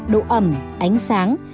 độ ẩm ánh sáng